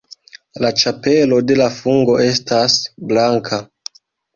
La ĉapelo de la fungo estas blanka.